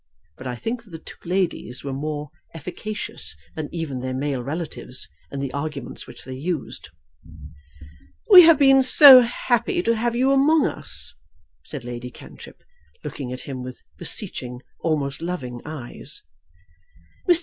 But I think that the two ladies were more efficacious than even their male relatives in the arguments which they used. "We have been so happy to have you among us," said Lady Cantrip, looking at him with beseeching, almost loving eyes. "Mr.